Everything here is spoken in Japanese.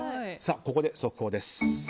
ここで速報です。